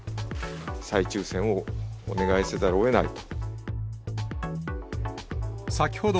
再抽せんをお願いせざるをえないと。